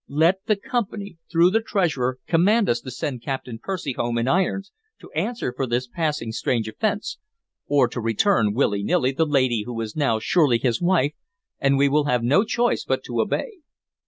Let the Company, through the treasurer, command us to send Captain Percy home in irons to answer for this passing strange offense, or to return, willy nilly, the lady who is now surely his wife, and we will have no choice but to obey.